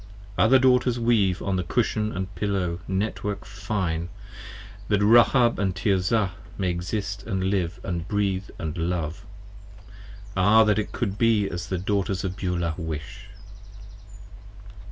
Other Daughters Weave on the Cushion & Pillow Network fine, That Rahab & Tirzah may exist & live & breathe & love: Ah, that it could be as the Daughters of Beulah wish!